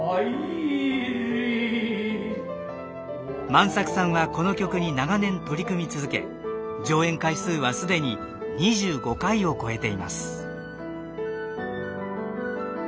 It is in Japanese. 万作さんはこの曲に長年取り組み続け上演回数は既に２５回を超えています。